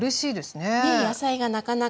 ねえ。